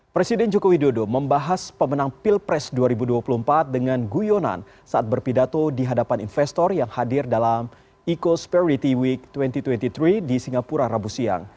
presiden jokowi dodo membahas pemenang pilpres dua ribu dua puluh empat dengan guyonan saat berpidato di hadapan investor yang hadir dalam ecosperity week dua ribu dua puluh tiga di singapura rabu siang